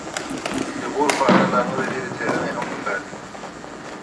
د غور په اړه لا نورې ډېرې څیړنې هم پکار دي